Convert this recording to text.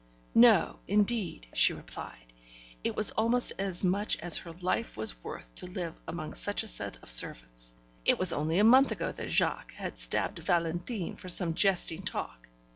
No, indeed, she replied, it was almost as much as her life was worth to live among such a set of servants: it was only a month ago that Jacques had stabbed Valentin for some jesting talk.